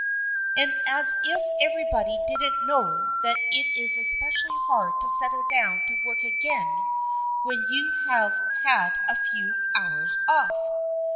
" And as if everybody didn't know that it is especially hard to settle down to work again when you have had a few hours off!